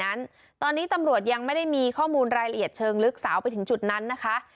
นั้นตอนนี้ตำรวจยังไม่ได้มีข้อมูลรายละเอียดเชิงลึกสาวไปถึงจุดนั้นนะคะ